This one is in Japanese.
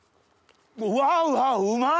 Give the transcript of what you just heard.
うわうわうまっ！